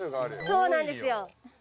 そうなんですよ。